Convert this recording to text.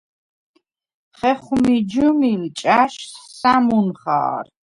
ხეხუ̂მი ჯჷმილ ჭა̈შს სა̈მუნ ხა̄რ.